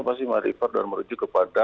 pasti mengedipar dan merujuk kepada